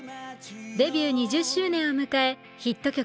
デビュー２０周年を迎えヒット曲